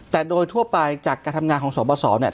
แต่โดยทั่วไปจากการทำงานของสบสเนี่ย